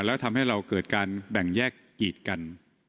แล้วทำให้เราเกิดการแบ่งแยกกีดกัน